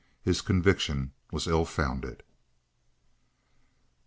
His conviction was ill founded.